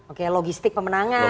oke logistik pemenangan menteri